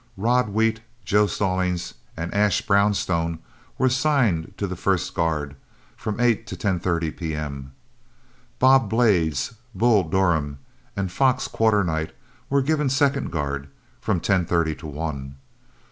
"Rod" Wheat, Joe Stallings, and Ash Borrowstone were assigned to the first guard, from eight to ten thirty P.M. Bob Blades, "Bull" Durham, and Fox Quarternight were given second guard, from ten thirty to one.